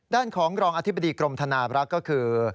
ด้านของรองอธิบดีกรมธนาบรักษ์ก็คือ